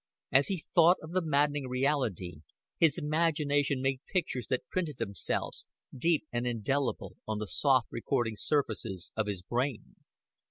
As he thought of the maddening reality, his imagination made pictures that printed themselves, deep and indelible, on the soft recording surfaces of his brain.